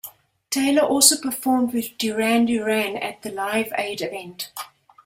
Taylor also performed with Duran Duran at the Live Aid event.